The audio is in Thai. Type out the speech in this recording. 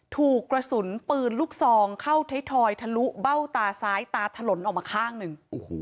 ถูกกระสุนปืนลูกซองเข้าไทยทอยทะลุเบ้าตาซ้ายตาถลนออกมาข้างหนึ่ง